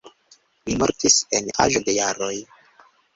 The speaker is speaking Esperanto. Li mortis en aĝo de jaroj.